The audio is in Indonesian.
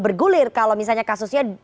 bergulir kalau misalnya kasusnya